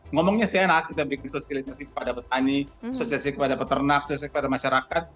ngomongnya saya enak kita berikan sosialisasi kepada petani sosialisasi kepada peternak sosialisasi kepada masyarakat